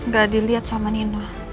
gak diliat sama nino